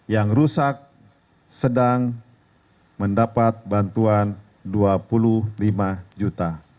yang rusak sedang mendapat bantuan dua puluh lima juta